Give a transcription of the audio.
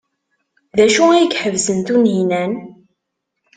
D acu ay iḥebsen Tunhinan?